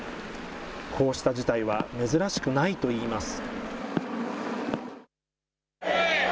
こうした事態は珍しくないといいます。